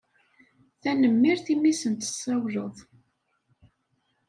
Tanemmirt i mi sen-tessawleḍ.